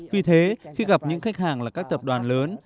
vì thế khi gặp những khách hàng là các tập đoàn lớn